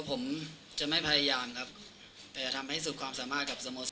ผมจะไม่พยายามครับแต่จะทำให้สุดความสามารถกับสโมสร